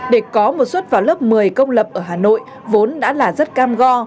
để có một suất vào lớp một mươi công lập ở hà nội vốn đã là rất cam go